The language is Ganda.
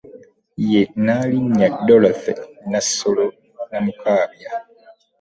Ye Nnaalinnya Dorothy Nassolo Namukabya